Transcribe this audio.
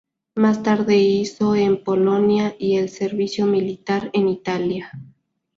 Más tarde hizo en Polonia y el servicio militar en Italia.